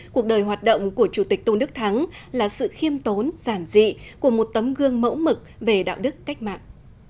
cuộc đời hoạt động của chủ tịch tôn đức thắng là sự khiêm tốn giản dị của một tấm gương mẫu mực về đạo đức cách mạng